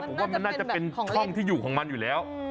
ผมว่ามันน่าจะเป็นช่องที่อยู่ของมันอยู่แล้ว